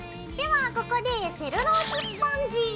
ではここでセルローススポンジ！